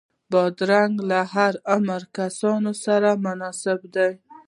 بادرنګ له هر عمره کسانو سره مناسب دی.